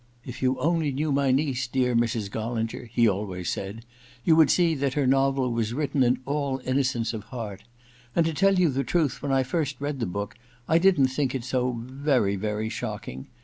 " If you only knew my niece, dear Mrs. Gollinger," he always sdd, "you would see that her novel was written in all innocence of heart "; and to tell you the truth. no EXPIATION IT when I first read the book I didn't think it so very, very shocking.